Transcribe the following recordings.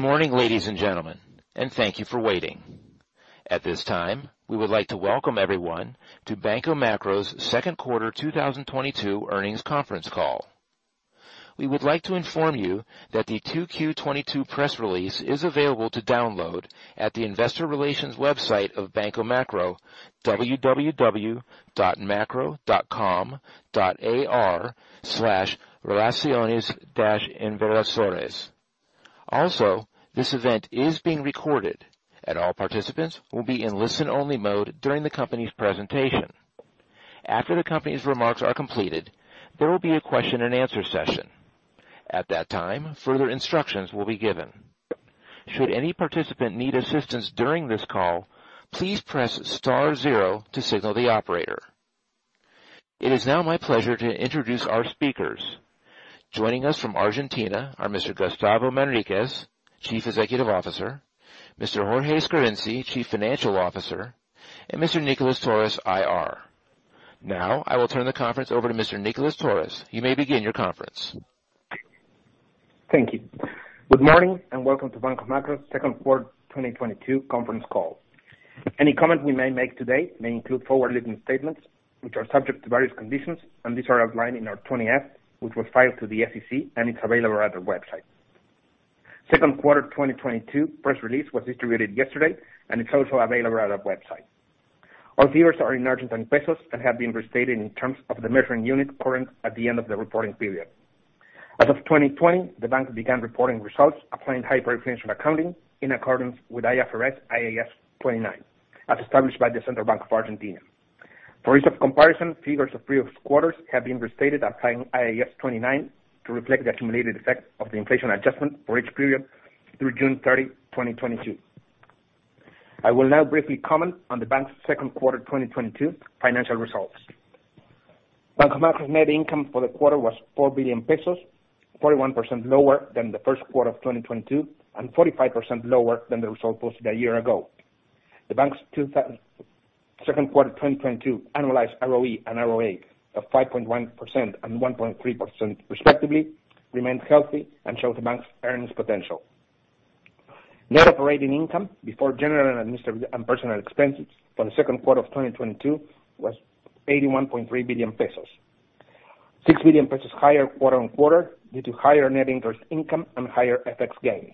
Good morning, ladies and gentlemen, and thank you for waiting. At this time, we would like to welcome everyone to Banco Macro's second quarter 2022 earnings conference call. We would like to inform you that the 2Q 2022 press release is available to download at the investor relations website of Banco Macro, www.macro.com.ar/relaciones-inversores. Also, this event is being recorded, and all participants will be in listen-only mode during the company's presentation. After the company's remarks are completed, there will be a question and answer session. At that time, further instructions will be given. Should any participant need assistance during this call, please press star zero to signal the operator. It is now my pleasure to introduce our speakers. Joining us from Argentina are Mr. Gustavo Manriquez, Chief Executive Officer, Mr. Jorge Scarinci, Chief Financial Officer, and Mr. Nicolás Torres, IR. Now, I will turn the conference over to Mr. Nicolás Torres. You may begin your conference. Thank you. Good morning, and welcome to Banco Macro second quarter 2022 conference call. Any comment we may make today may include forward-looking statements which are subject to various conditions, and these are outlined in our 20-F, which was filed to the SEC, and it's available at our website. Second quarter 2022 press release was distributed yesterday, and it's also available at our website. All figures are in Argentine pesos and have been restated in terms of the measuring unit current at the end of the reporting period. As of 2020, the bank began reporting results applying hyperinflation accounting in accordance with IFRS IAS 29, as established by the Central Bank of the Argentine Republic. For ease of comparison, figures of previous quarters have been restated applying IAS 29 to reflect the accumulated effect of the inflation adjustment for each period through June 30, 2022. I will now briefly comment on the bank's second quarter 2022 financial results. Banco Macro's net income for the quarter was 4 billion pesos, 41% lower than the first quarter of 2022 and 45% lower than the result posted a year ago. The bank's second quarter 2022 annualized ROE and ROA of 5.1% and 1.3% respectively remained healthy and shows the bank's earnings potential. Net operating income before general and administrative and personal expenses for the second quarter of 2022 was 81.3 billion pesos. 6 billion pesos higher quarter on quarter due to higher net interest income and higher FX gains.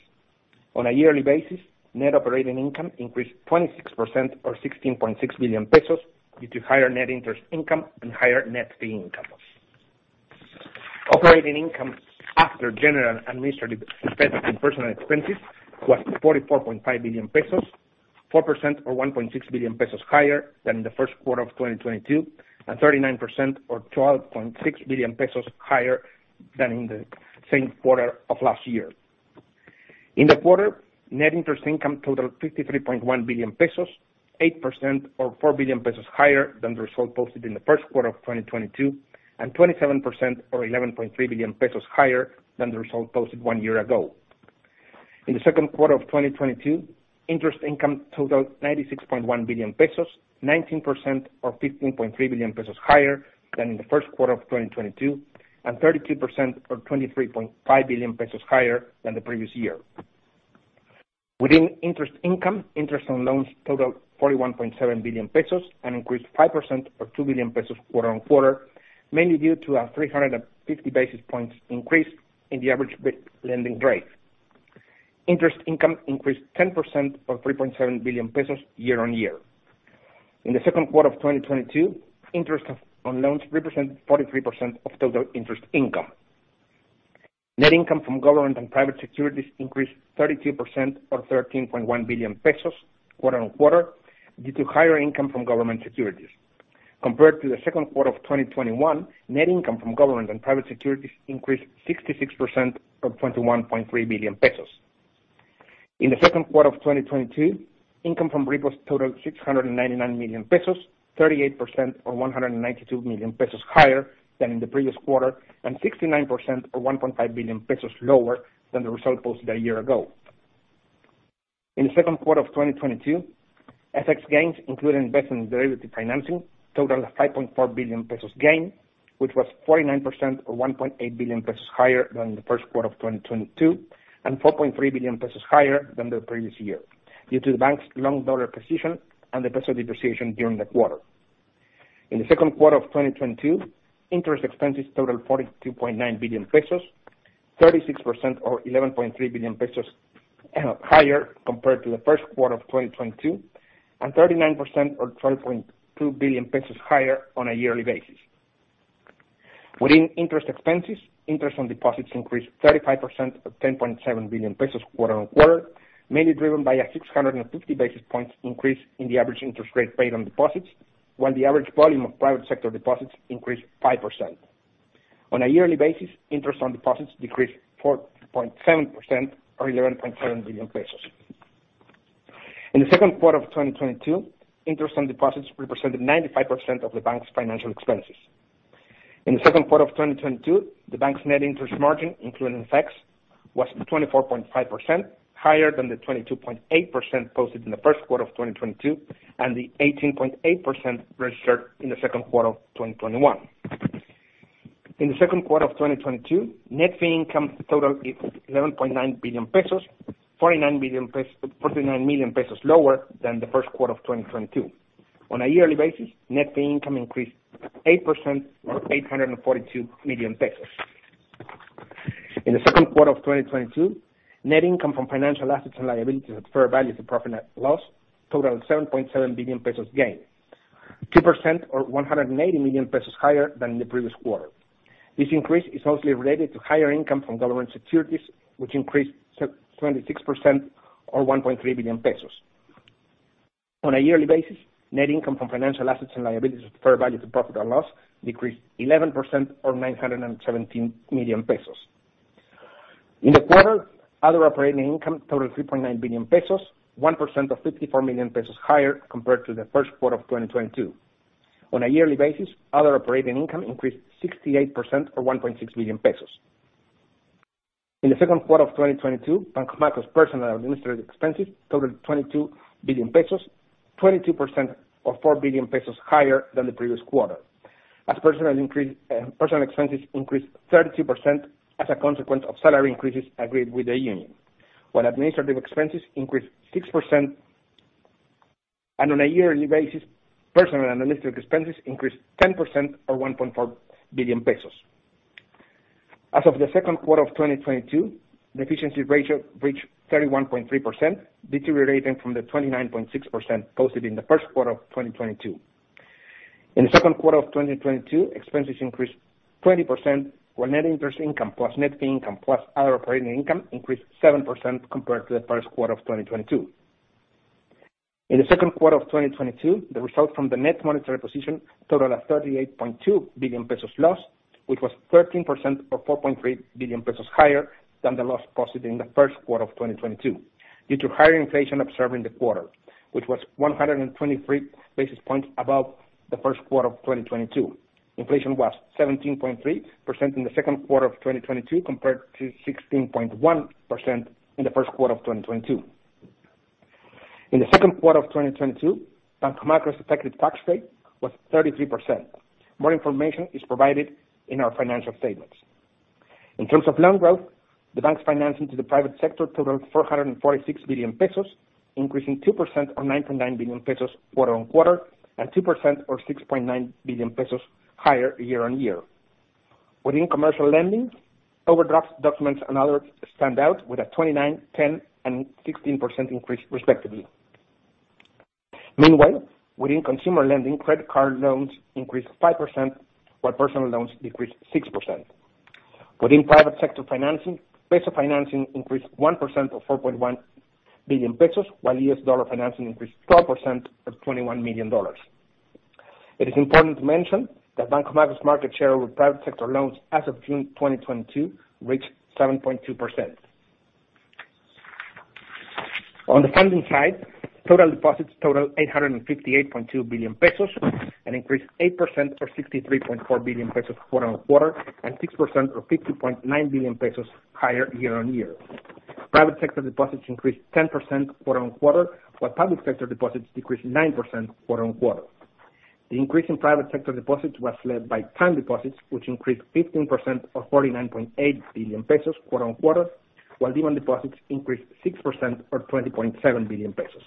On a yearly basis, net operating income increased 26% or 16.6 billion pesos due to higher net interest income and higher net fee income. Operating income after general and administrative expenses and personal expenses was 44.5 billion pesos, 4% or 1.6 billion pesos higher than in the first quarter of 2022, and 39% or 12.6 billion pesos higher than in the same quarter of last year. In the quarter, net interest income totaled 53.1 billion pesos, 8% or 4 billion pesos higher than the result posted in the first quarter of 2022, and 27% or 11.3 billion pesos higher than the result posted 1 year ago. In the second quarter of 2022, interest income totaled 96.1 billion pesos, 19% or 15.3 billion pesos higher than in the first quarter of 2022, and 32% or 23.5 billion pesos higher than the previous year. Within interest income, interest on loans totaled 41.7 billion pesos and increased 5% or 2 billion pesos quarter-on-quarter, mainly due to a 350 basis points increase in the average bill lending rate. Interest income increased 10% or 3.7 billion pesos year-on-year. In the second quarter of 2022, interest on loans represented 43% of total interest income. Net income from government and private securities increased 32% or 13.1 billion pesos quarter-on-quarter due to higher income from government securities. Compared to the second quarter of 2021, net income from government and private securities increased 66% or 21.3 billion pesos. In the second quarter of 2022, income from repos totaled 699 million pesos, 38% or 192 million pesos higher than in the previous quarter, and 69% or 1.5 billion pesos lower than the result posted a year ago. In the second quarter of 2022, FX gains including investment derivative financing totaled 5.4 billion pesos gain, which was 49% or 1.8 billion pesos higher than the first quarter of 2022, and 4.3 billion pesos higher than the previous year due to the bank's long dollar position and the peso depreciation during the quarter. In the second quarter of 2022, interest expenses totaled 42.9 billion pesos, 36% or 11.3 billion pesos higher compared to the first quarter of 2022, and 39% or 12.2 billion pesos higher on a yearly basis. Within interest expenses, interest on deposits increased 35%, or 10.7 billion pesos quarter-over-quarter, mainly driven by a 650 basis points increase in the average interest rate paid on deposits, while the average volume of private sector deposits increased 5%. On a yearly basis, interest on deposits decreased 4.7% or 11.7 billion pesos. In the second quarter of 2022, interest on deposits represented 95% of the bank's financial expenses. In the second quarter of 2022, the bank's net interest margin, including FX, was 24.5% higher than the 22.8% posted in the first quarter of 2022, and the 18.8% registered in the second quarter of 2021. In the second quarter of 2022, net fee income totaled 11.9 billion pesos, 49 million pesos lower than the first quarter of 2022. On a yearly basis, net fee income increased 8% or 842 million pesos. In the second quarter of 2022, net income from financial assets and liabilities at fair value to profit and loss totaled 7.7 billion pesos, 2% or 180 million pesos higher than the previous quarter. This increase is mostly related to higher income from government securities, which increased 26% or 1.3 billion pesos. On a yearly basis, net income from financial assets and liabilities at fair value to profit or loss decreased 11% or 917 million pesos. In the quarter, other operating income totaled 3.9 billion pesos, 1% or 54 million pesos higher compared to the first quarter of 2022. On a yearly basis, other operating income increased 68% or 1.6 billion pesos. In the second quarter of 2022, Banco Macro's personnel and administrative expenses totaled 22 billion pesos, 22% or 4 billion pesos higher than the previous quarter. As personnel expenses increased 32% as a consequence of salary increases agreed with the union, while administrative expenses increased 6%. On a yearly basis, personnel administrative expenses increased 10% or 1.4 billion pesos. As of the second quarter of 2022, the efficiency ratio reached 31.3%, deteriorating from the 29.6% posted in the first quarter of 2022. In the second quarter of 2022, expenses increased 20%, while net interest income, plus net fee income, plus other operating income increased 7% compared to the first quarter of 2022. In the second quarter of 2022, the result from the net monetary position totaled a 38.2 billion pesos loss, which was 13% or 4.3 billion pesos higher than the loss posted in the first quarter of 2022 due to higher inflation observed in the quarter, which was 123 basis points above the first quarter of 2022. Inflation was 17.3% in the second quarter of 2022 compared to 16.1% in the first quarter of 2022. In the second quarter of 2022, Banco Macro's effective tax rate was 33%. More information is provided in our financial statements. In terms of loan growth, the bank's financing to the private sector totaled 446 billion pesos, increasing 2% or 9.9 billion pesos quarter-over-quarter, and 2% or 6.9 billion pesos higher year-over-year. Within commercial lending, overdraft documents and others stand out with a 29%, 10% and 16% increase respectively. Meanwhile, within consumer lending, credit card loans increased 5%, while personal loans decreased 6%. Within private sector financing, peso financing increased 1% or 4.1 billion pesos, while US dollar financing increased 12% or $21 million. It is important to mention that Banco Macro's market share with private sector loans as of June 2022 reached 7.2%. On the funding side, total deposits totaled 858.2 billion pesos, and increased 8% or 63.4 billion pesos quarter-over-quarter, and 6% or 50.9 billion pesos higher year-over-year. Private sector deposits increased 10% quarter-over-quarter, while public sector deposits decreased 9% quarter-over-quarter. The increase in private sector deposits was led by time deposits, which increased 15% or 49.8 billion pesos quarter-over-quarter, while demand deposits increased 6% or 20.7 billion pesos.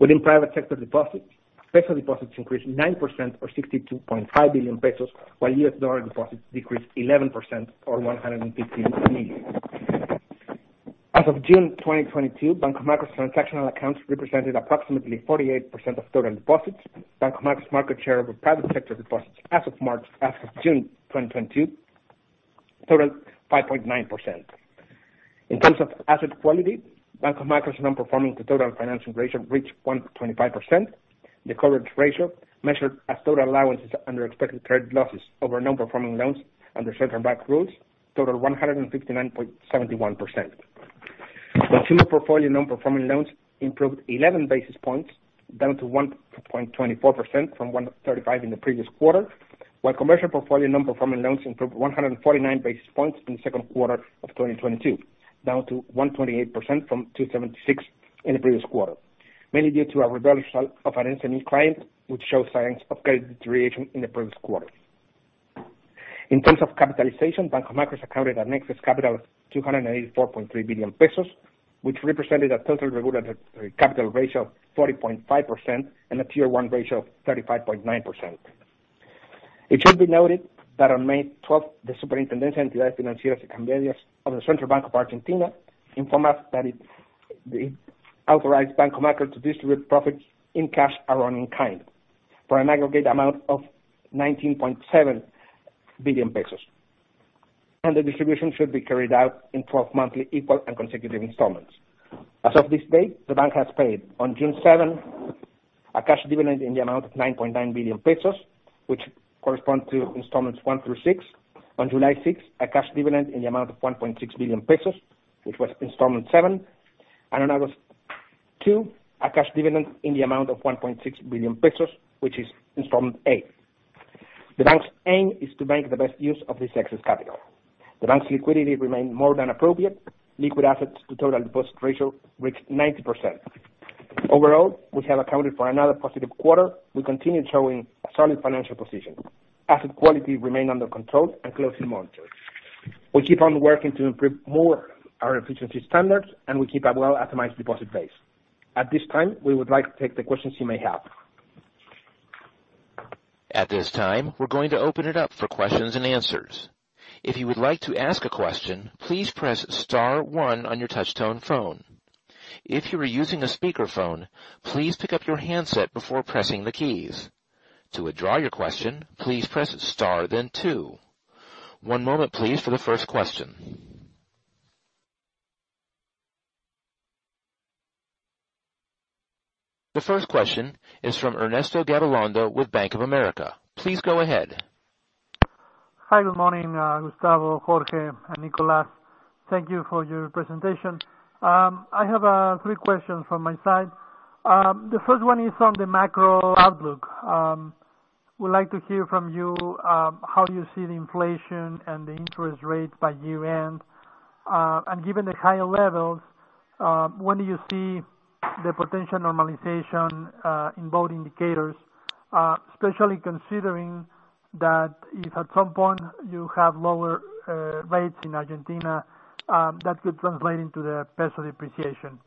Within private sector deposits, peso deposits increased 9% or 62.5 billion pesos, while US dollar deposits decreased 11% or $150 million. As of June 2022, Banco Macro's transactional accounts represented approximately 48% of total deposits. Banco Macro's market share of private sector deposits as of June 2022 totaled 5.9%. In terms of asset quality, Banco Macro's non-performing to total financing ratio reached 1.25%. The coverage ratio, measured as total allowances under expected credit losses over non-performing loans under certain Basel rules, totaled 159.71%. Consumer portfolio non-performing loans improved 11 basis points, down to 1.24% from 1.35% in the previous quarter. While commercial portfolio non-performing loans improved 149 basis points in the second quarter of 2022, down to 1.8% from 2.76% in the previous quarter, mainly due to a reversal of an SME client which showed signs of credit deterioration in the previous quarter. In terms of capitalization, Banco Macro's accounted an excess capital of 284.3 billion pesos, which represented a total regulated capital ratio of 40.5% and a Tier 1 ratio of 35.9%. It should be noted that on May twelfth, the Superintendencia de Entidades Financieras y Cambiarias of the Central Bank of the Argentine Republic informed us that it authorized Banco Macro to distribute profits in cash or in kind for an aggregate amount of 19.7 billion pesos, and the distribution should be carried out in 12 monthly equal and consecutive installments. As of this date, the bank has paid on June, 7th a cash dividend in the amount of 9.9 billion pesos, which correspond to installments 1 through 6. On July, 6th a cash dividend in the amount of 1.6 billion pesos, which was installment 7. On August, 2 a cash dividend in the amount of 1.6 billion pesos, which is installment 8. The bank's aim is to make the best use of this excess capital. The bank's liquidity remained more than appropriate. Liquid assets to total deposit ratio reached 90%. Overall, we have accounted for another positive quarter. We continue showing solid financial position. Asset quality remain under control and closely monitored. We keep on working to improve more our efficiency standards, and we keep a well-optimized deposit base. At this time, we would like to take the questions you may have. At this time, we're going to open it up for questions and answers. If you would like to ask a question, please press star one on your touchtone phone. If you are using a speakerphone, please pick up your handset before pressing the keys. To withdraw your question, please press star then two. One moment please for the first question. The first question is from Ernesto Gabilondo with Bank of America. Please go ahead. Hi, good morning, Gustavo, Jorge, and Nicolás. Thank you for your presentation. I have 3 questions from my side. The first one is on the macro outlook. I would like to hear from you how you see the inflation and the interest rates by year-end. Given the higher levels, when do you see the potential normalization in both indicators, especially considering that if at some point you have lower rates in Argentina, that could translate into the peso depreciation.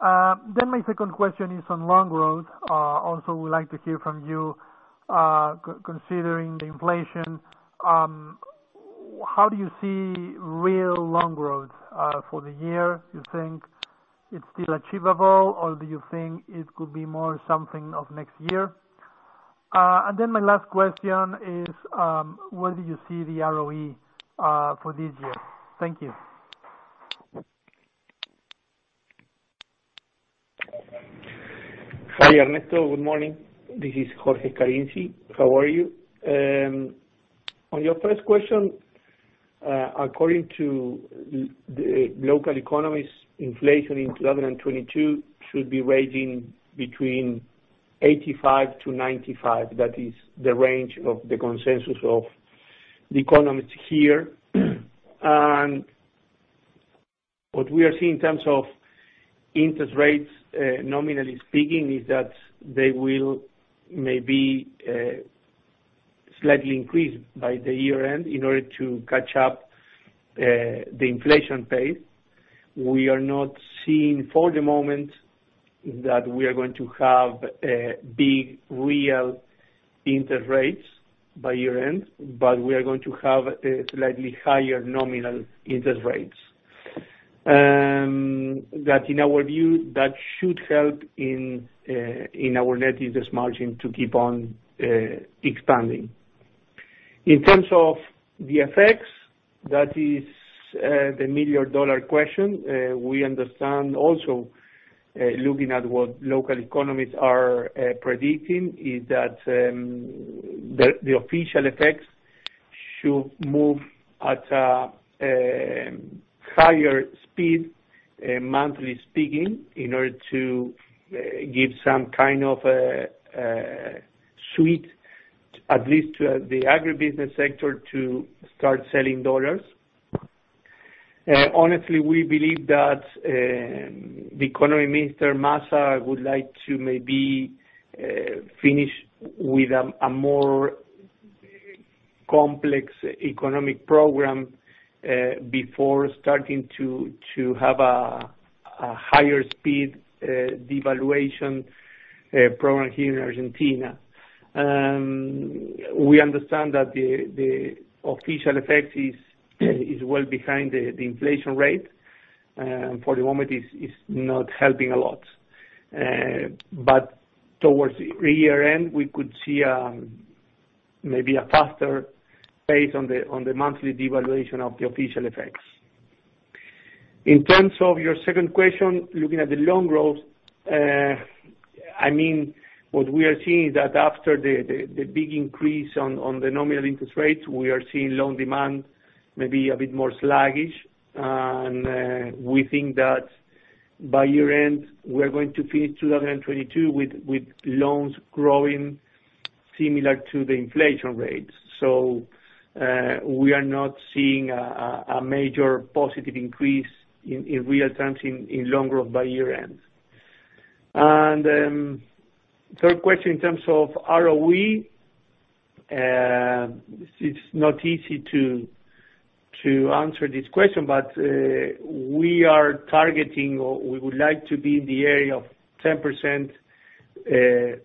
My second question is on loan growth. Also would like to hear from you considering the inflation, how do you see real loan growth for the year. You think it's still achievable, or do you think it could be more something of next year? My last question is, where do you see the ROE for this year? Thank you. Hi, Ernesto. Good morning. This is Jorge Scarinci. How are you? On your first question, according to the local economists, inflation in 2022 should be ranging between 85%-95%. That is the range of the consensus of the economists here. What we are seeing in terms of interest rates, nominally speaking, is that they will maybe slightly increase by year-end in order to catch up the inflation pace. We are not seeing, for the moment, that we are going to have big real interest rates by year-end, but we are going to have slightly higher nominal interest rates. That in our view should help in our net interest margin to keep on expanding. In terms of the effects, that is the million-dollar question. We understand also, looking at what local economies are predicting is that the official FX should move at a higher speed, monthly speaking in order to give some kind of a sweet at least to the agribusiness sector to start selling dollars. Honestly, we believe that the Economy Minister Massa would like to maybe finish with a more complex economic program before starting to have a higher speed devaluation program here in Argentina. We understand that the official FX is well behind the inflation rate. For the moment is not helping a lot. But towards year-end, we could see maybe a faster pace on the monthly devaluation of the official FX. In terms of your second question, looking at the loan growth, I mean, what we are seeing is that after the big increase on the nominal interest rates, we are seeing loan demand maybe a bit more sluggish. We think that by year-end, we are going to finish 2022 with loans growing similar to the inflation rates. We are not seeing a major positive increase in real terms in loan growth by year-end. Third question, in terms of ROE, it's not easy to answer this question, but we are targeting or we would like to be in the area of 10%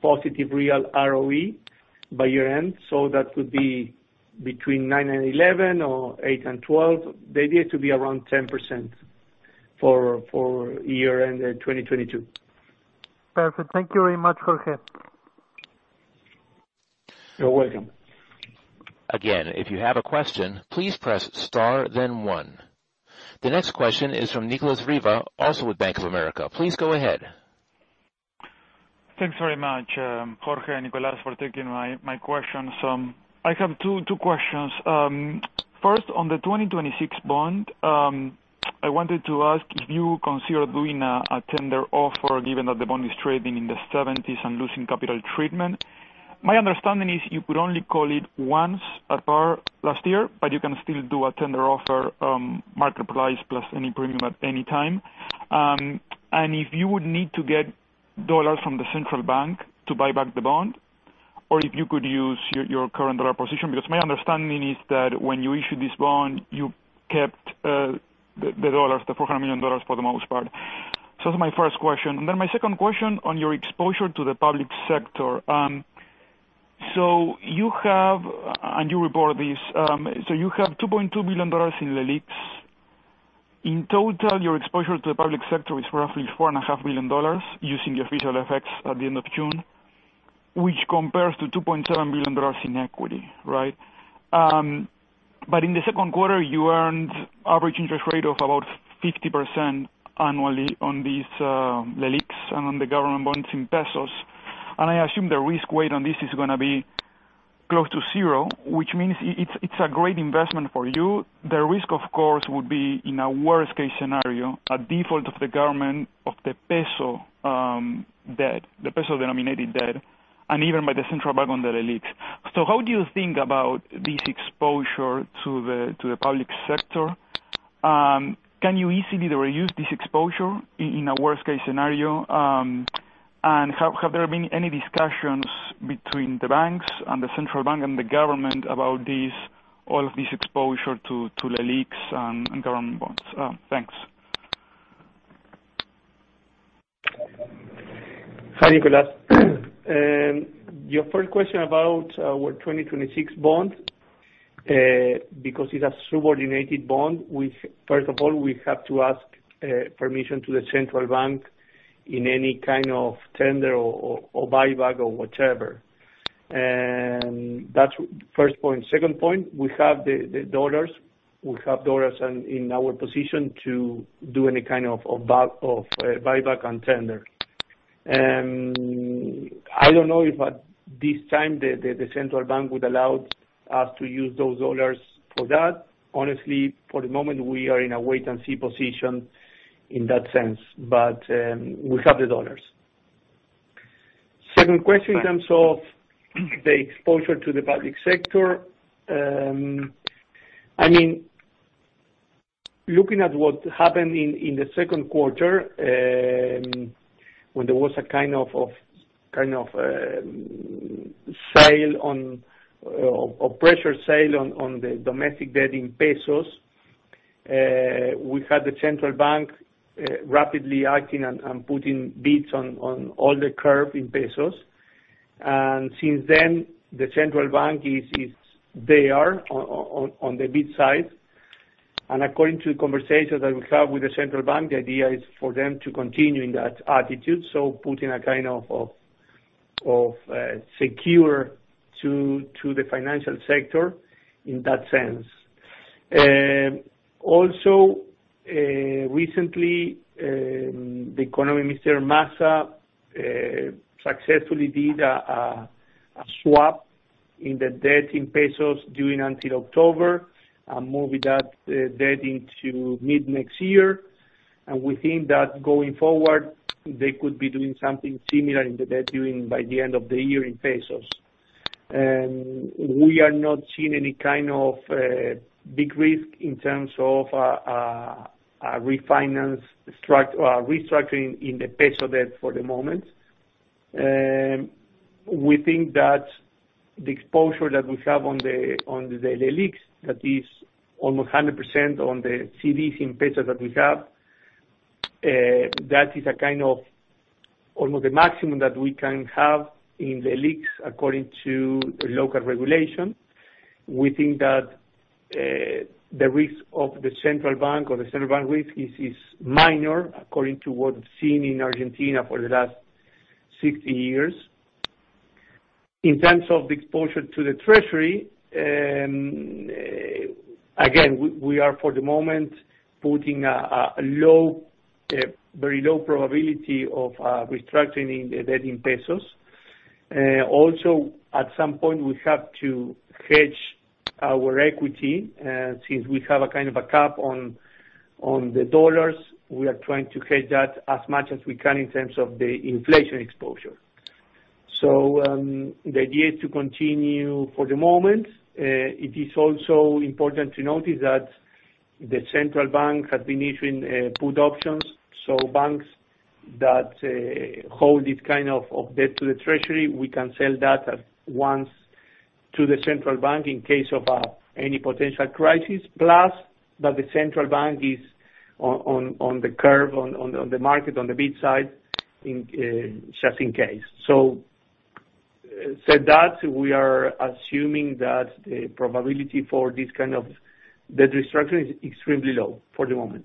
positive real ROE by year-end. That would be between 9% and 11% or 8% and 12%. The idea is to be around 10% for year-end 2022. Perfect. Thank you very much, Jorge. You're welcome. Again, if you have a question, please press star then one. The next question is from Nicolas Riva, also with Bank of America. Please go ahead. Thanks very much, Jorge and Nicolás for taking my questions. I have 2 questions. First on the 2026 bond, I wanted to ask if you consider doing a tender offer given that the bond is trading in the 70's and losing capital treatment. My understanding is you could only call it once a quarter last year, but you can still do a tender offer, market price plus any premium at any time. If you would need to get dollars from the central bank to buy back the bond or if you could use your current dollar position. Because my understanding is that when you issued this bond, you kept the dollars, the $400 million for the most part. So that's my first question. My second question on your exposure to the public sector. You report this. You have $2.2 billion in the LELIQs. In total, your exposure to the public sector is roughly $4.5 billion using the official exchange rates at the end of June, which compares to $2.7 billion in equity, right? In the second quarter, you earned average interest rate of about 50% annually on these, the LELIQs and on the government bonds in pesos. I assume the risk weight on this is gonna be close to zero, which means it's a great investment for you. The risk, of course, would be in a worst case scenario, a default by the government on the peso debt, the peso-denominated debt, and even by the central bank on the LELIQs. How do you think about this exposure to the public sector? Can you easily reuse this exposure in a worst case scenario? Have there been any discussions between the banks and the Central Bank and the government about this, all of this exposure to LELIQs and government bonds? Thanks. Hi, Nicolás. Your first question about our 2026 bond because it's a subordinated bond, we first of all have to ask permission to the central bank in any kind of tender or buyback or whatever. That's first point. Second point, we have the dollars. We have dollars in our position to do any kind of buyback and tender. I don't know if at this time the central bank would allow us to use those dollars for that. Honestly, for the moment, we are in a wait and see position in that sense. We have the dollars. Second question in terms of the exposure to the public sector. I mean, looking at what happened in the second quarter, when there was a kind of pressure sale on the domestic debt in pesos, we had the Central Bank rapidly acting and putting bids on all the curve in pesos. Since then, the Central Bank is there on the bid side. According to conversations that we have with the Central Bank, the idea is for them to continue in that attitude, so putting a kind of security to the financial sector in that sense. Also, recently, the Economy Minister Massa successfully did a swap in the debt in pesos due until October and moved that debt into mid next year. We think that going forward, they could be doing something similar in the debt due in by the end of the year in pesos. We are not seeing any kind of big risk in terms of a restructuring in the peso debt for the moment. We think that the exposure that we have on the LELIQs, that is almost 100% on the CDs in pesos that we have, that is a kind of almost the maximum that we can have in the LELIQs according to the local regulation. We think that the risk of the central bank or the central bank risk is minor according to what it's seen in Argentina for the last 60 years. In terms of the exposure to the treasury, again, we are for the moment putting a low, very low probability of restructuring the debt in pesos. Also, at some point, we have to hedge our equity. Since we have a kind of a cap on the dollars, we are trying to hedge that as much as we can in terms of the inflation exposure. The idea is to continue for the moment. It is also important to notice that the Central Bank has been issuing put options, so banks that hold this kind of debt to the treasury, we can sell that at once to the Central Bank in case of any potential crisis. Plus, that the Central Bank is on the curve, on the market, on the bid side, just in case. That said, we are assuming that the probability for this kind of debt restructuring is extremely low for the moment.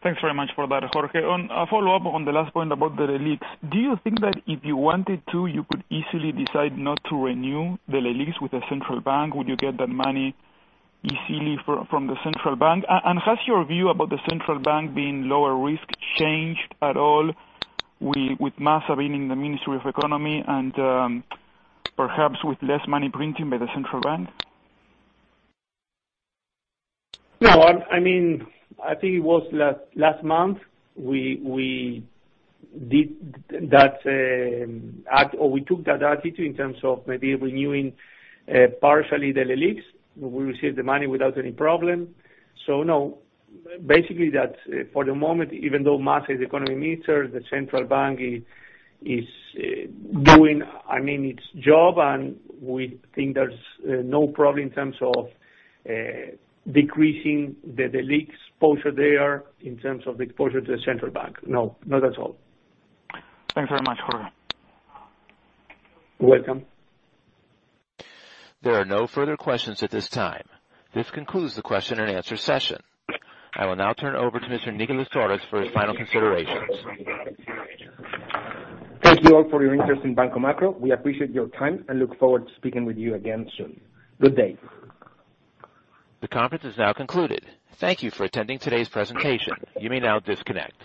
Thanks very much for that, Jorge. On a follow-up on the last point about the LELIQs, do you think that if you wanted to, you could easily decide not to renew the LELIQs with the central bank? Would you get that money easily from the central bank? Has your view about the central bank being lower risk changed at all with Massa being in the Ministry of Economy and, perhaps with less money printing by the central bank? No, I mean, I think it was last month, we did that, or we took that attitude in terms of maybe renewing partially the LELIQs. We received the money without any problem. No, basically that for the moment, even though Massa is economy minister, the central bank is doing, I mean, its job, and we think there's no problem in terms of decreasing the LELIQs exposure there in terms of the exposure to the central bank. No. Not at all. Thanks very much, Jorge. You're welcome. There are no further questions at this time. This concludes the question and answer session. I will now turn over to Mr. Nicolás Torres for his final considerations. Thank you all for your interest in Banco Macro. We appreciate your time and look forward to speaking with you again soon. Good day. The conference is now concluded. Thank you for attending today's presentation. You may now disconnect.